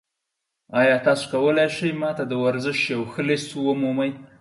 ایا تاسو کولی شئ ما ته د ورزش یو ښه لیست ومومئ؟